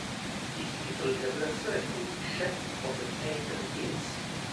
Il titolo di lavorazione fu "Shep of the Painted Hills".